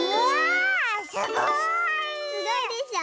すごいでしょ？